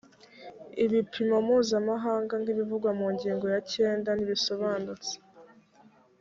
ibipimo mpuzamahanga nk’ ibivugwa mu ngingo ya cyenda ntibisobanutse.